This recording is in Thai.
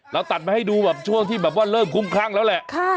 เราตัดมาให้ดูช่วงที่เริ่มคุ้มครั้งแล้วแหละค่ะ